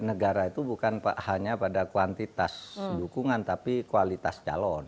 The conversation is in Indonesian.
negara itu bukan hanya pada kuantitas dukungan tapi kualitas calon